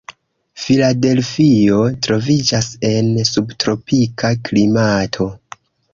Filadelfio troviĝas en subtropika klimato.